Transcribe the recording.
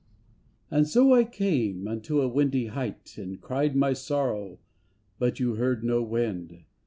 And so, I came unto a windy height And cried my sorrow, but you heard no wind.